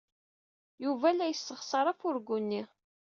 Yuba la yesseɣsar afurgu-nni.